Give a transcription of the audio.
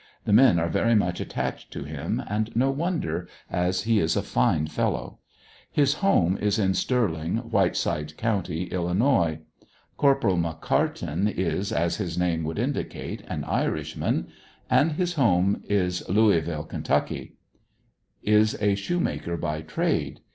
The men are very much attached to him and no wonder, ais he is a fine fellow. His home is in Sterling, Whiteside Co., Illi nois. Corp. McCartin is, as his name would indicate, an Irishman, and his home is Louisville, Ky. Is a shoemaker by trade.